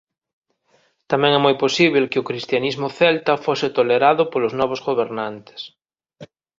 Tamén é moi posíbel que o cristianismo celta fose tolerado polos novos gobernantes.